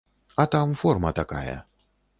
А там форма такая.